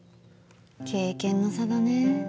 経験の差だね。